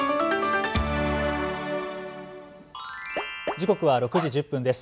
時刻は６時１０分です。